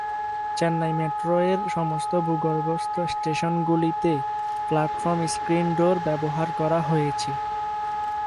চেন্নাই মেট্রো-এর সমস্ত ভূগর্ভস্থ স্টেশনগুলিতে প্ল্যাটফর্ম স্ক্রিন ডোর ব্যবহার করা করা হয়েছে।